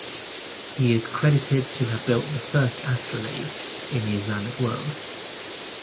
He is credited to have built the first astrolabe in the Islamic world.